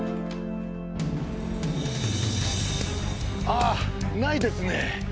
ああないですね